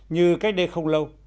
như cách đây không lâu